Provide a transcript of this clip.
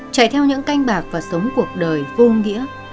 chạy theo những canh bạc và sống cuộc đời vô nghĩa